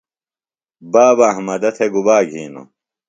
بابہ احمدہ تھےۡ گُبا گِھینوۡ ؟